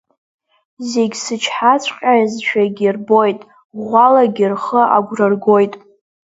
Зегь сычҳаҵәҟьазшәагьы рбоит, ӷәӷәалагьы рхы агәра ргоит.